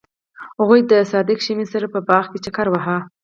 هغوی د صادق شمیم سره په باغ کې چکر وواهه.